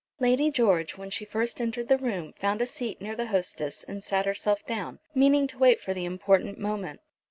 Lady George, when she first entered the room, found a seat near the hostess, and sat herself down, meaning to wait for the important moment.